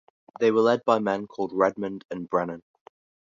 They were led by men called Redmond and Brennan.